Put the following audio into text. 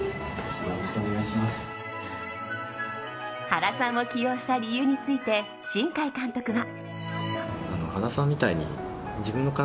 原さんを起用した理由について新海監督は。